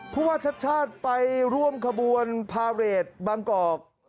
ผู้ว่าชัดชาติไปร่วมขบวนพาเรทบางกอก